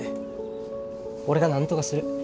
俺がなんとかする。